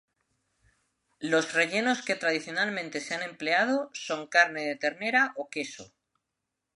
Los rellenos que tradicionalmente se han empleado son carne de ternera o queso.